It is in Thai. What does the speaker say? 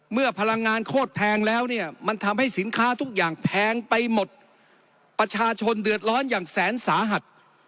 พลังงานโคตรแพงแล้วเนี่ยมันทำให้สินค้าทุกอย่างแพงไปหมดประชาชนเดือดร้อนอย่างแสนสาหัส